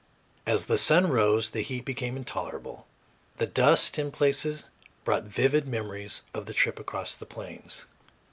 As the sun rose, the heat became intolerable. The dust, in places, brought vivid memories of the trip across the Plains.